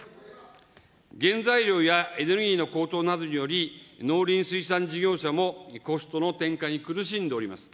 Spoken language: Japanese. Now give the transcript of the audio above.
原材料やエネルギーの高騰などにより、農林水産事業者もコストの転嫁に苦しんでおります。